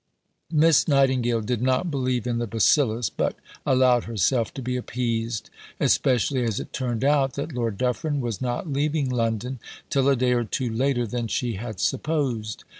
Miss Nightingale did not believe in the bacillus but allowed herself to be appeased, especially as it turned out that Lord Dufferin was not leaving London till a day or two later than she had supposed.